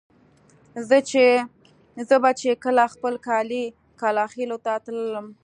زه به چې کله خپل کلي کلاخېلو ته تللم.